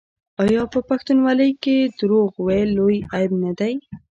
آیا په پښتونولۍ کې دروغ ویل لوی عیب نه دی؟